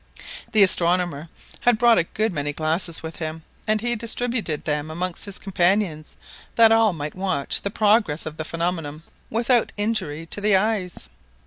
The astronomer had brought a good many glasses with him, and he distributed them amongst his companions, that all might watch the progress of the phenomenon without injury to the eyes.